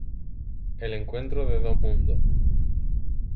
El encuentro de dos mundos.